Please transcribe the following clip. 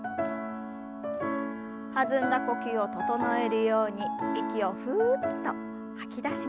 弾んだ呼吸を整えるように息をふっと吐き出しながら。